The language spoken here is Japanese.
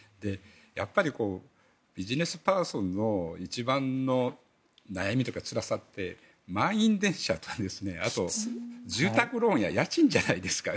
やっぱり、ビジネスパーソンの一番の悩みというか辛さって満員電車と、あと住宅ローンや家賃じゃないですか。